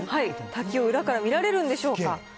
滝を裏から見られるんでしょうか。